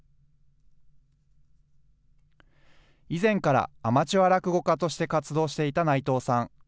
以前からアマチュア落語家として活動していた内藤さん。